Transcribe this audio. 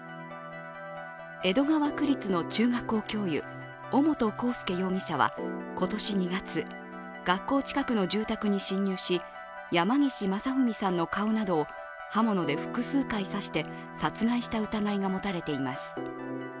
江戸川区立の中学校教諭、尾本幸祐容疑者は今年２月、学校近くの住宅に侵入し山岸正文さんの顔などを刃物で複数回刺して殺害した疑いが持たれています。